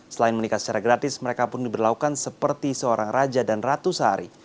selain menikah secara gratis mereka pun diberlakukan seperti seorang raja dan ratu sehari